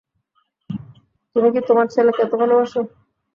তুমি কি তোমার ছেলেকে এত ভালোবাসো?